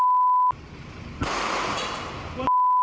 แม่เป็นอะไรสิ